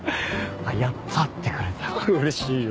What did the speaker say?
やっと会ってくれたうれしいよ。